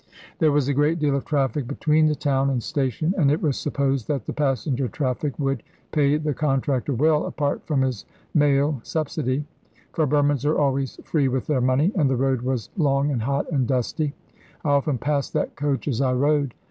There was a great deal of traffic between the town and station, and it was supposed that the passenger traffic would pay the contractor well, apart from his mail subsidy. For Burmans are always free with their money, and the road was long and hot and dusty. I often passed that coach as I rode.